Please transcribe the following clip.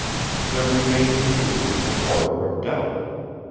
There remained to me the horror of doubt.